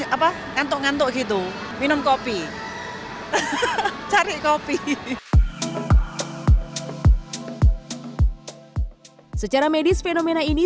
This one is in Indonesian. apa ngantuk ngantuk gitu minum kopi cari kopi secara medis fenomena ini